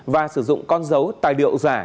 và sử dụng con dấu tài liệu giả